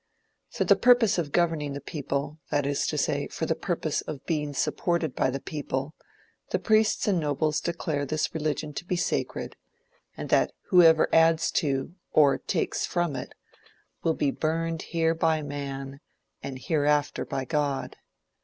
For the purpose of governing the people, that is to say, for the purpose of being supported by the people, the priests and nobles declare this religion to be sacred, and that whoever adds to, or takes from it, will be burned here by man, and hereafter by God.